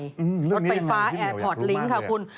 รถไฟฟ้าแอร์พอร์ตลิงค์ค่ะคุณ